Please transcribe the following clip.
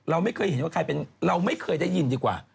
เราไม่เคยเห็นว่าใครเป็นเราไม่เคยได้ยินดีกว่า